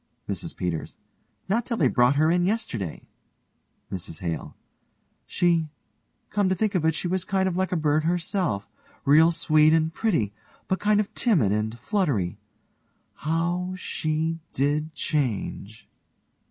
MRS PETERS: Not till they brought her yesterday. MRS HALE: She come to think of it, she was kind of like a bird herself real sweet and pretty, but kind of timid and fluttery. How she did change.